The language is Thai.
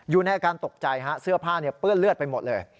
อยู่ในอาการตกใจฮะเสื้อผ้าเปื้อนเลือดไปหมดเลย